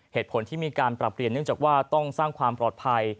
เหตุผลที่มีการปรับเปลี่ยนเนื่องจากว่าต้องสร้างความปลอดภัย